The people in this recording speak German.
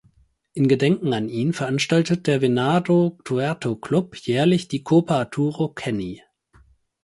In Gedenken an ihn veranstaltet der "Venado Tuerto Club" jährlich die "Copa Arturo Kenny".